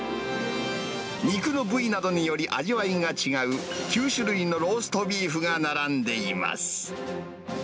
肉の部位などにより味わいが違う９種類のローストビーフが並んでいます。